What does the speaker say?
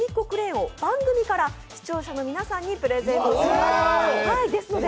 クレーンを番組から視聴者の皆さんにプレゼントします。